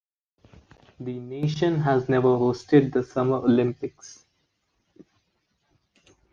The nation has never hosted the Summer Olympics.